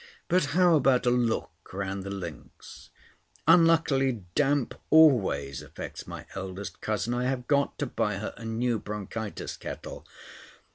"But how about a look round the links?" "Unluckily damp always affects my eldest cousin. I've got to buy her a new bronchitis kettle.